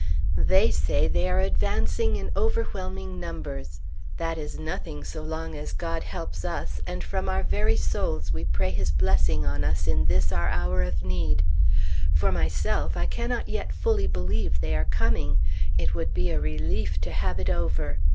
"They say" they are advancing in overwhelming numbers. That is nothing, so long as God helps us, and from our very souls we pray His blessing on us in this our hour of need. For myself, I cannot yet fully believe they are coming. It would be a relief to have it over.